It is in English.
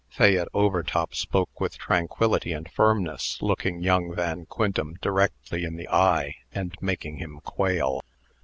Fayette Overtop spoke with tranquillity and firmness, looking young Van Quintem directly in the eye, and making him quail.